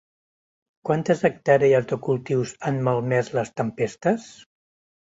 Quantes hectàrees de cultius han malmès les tempestes?